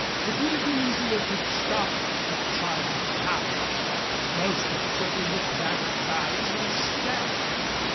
It would have been easier to stop a charge of cavalry. Most people simply looked back at Ferrers and stared.